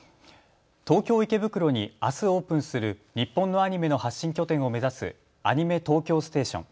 東京池袋にあすオープンする日本のアニメの発信拠点を目指すアニメ東京ステーション。